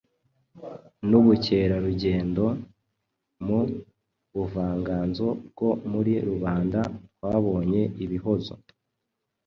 n’ubukerarugendo. Mu buvanganzo bwo muri rubanda twabonye ibihozo